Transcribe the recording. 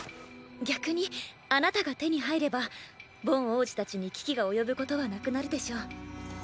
逆にあなたが手に入ればボン王子たちに危機が及ぶことはなくなるでしょう。